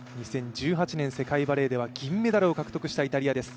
２０１８年、世界バレーでは銀メダルを獲得したイタリアです。